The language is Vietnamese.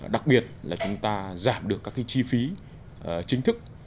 đặc biệt là chúng ta giảm được các cái chi phí chính thức